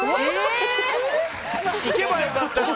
いけばよかったのに。